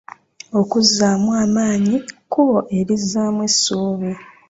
Okuzzaamu amaanyi kkubo erizzaamu essuubi.